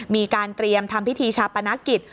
มีการเตรียมทำพิธีชาปนกิจ